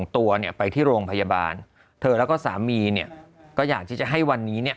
เธอแล้วก็สามีก็อยากที่จะให้วันนี้